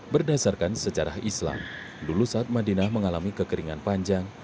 berdasarkan sejarah islam dulu saat madinah mengalami kekeringan panjang